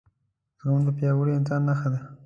زغم دپیاوړي انسان نښه ده